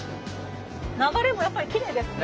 流れもやっぱりきれいですね。